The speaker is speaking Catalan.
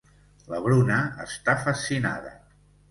La Bruna està fascinada.